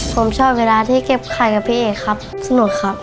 ผมชอบเวลาที่เก็บไข่กับพี่เอกครับสนุกครับ